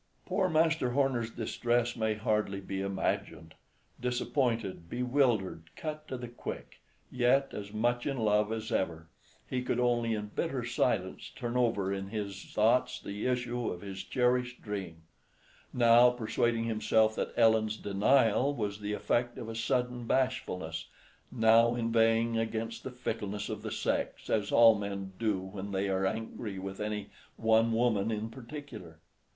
Poor Master Horner's distress may hardly be imagined. Disappointed, bewildered, cut to the quick, yet as much in love as ever, he could only in bitter silence turn over in his thoughts the issue of his cherished dream; now persuading himself that Ellen's denial was the effect of a sudden bashfulness, now inveighing against the fickleness of the sex, as all men do when they are angry with any one woman in particular.